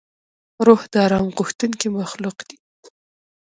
روح د آرام غوښتونکی مخلوق دی.